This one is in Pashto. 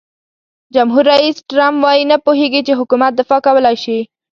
جمهور رئیس ټرمپ وایي نه پوهیږي چې حکومت دفاع کولای شي.